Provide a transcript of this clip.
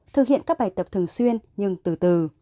thực hiện các bài tập thường xuyên nhưng từ từ